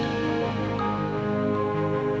jangan lupa untuk mencoba